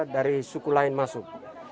dari suku lain masuk